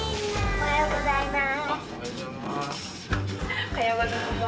おはようございます。